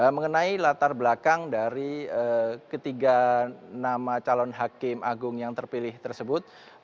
mengenai latar belakang dari ketiga nama calon hakim agung yang terpilih tersebut